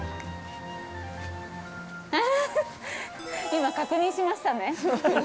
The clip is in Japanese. ◆今、確認しましたね。